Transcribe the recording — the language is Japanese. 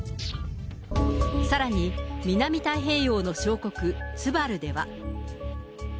さらに、南太平洋の小国、ツバルでは。